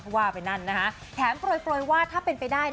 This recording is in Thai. เพราะว่าไปนั่นนะคะแถมโปรยว่าถ้าเป็นไปได้